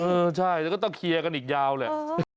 เออใช่แล้วก็ต้องเคลียร์กันอีกยาวแหละ